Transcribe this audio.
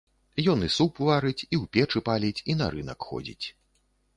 Ён і суп варыць, і ў печы паліць, і на рынак ходзіць.